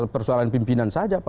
persoalan pimpinan saja pak